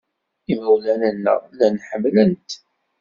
Imawlan-nneɣ llan ḥemmlen-t.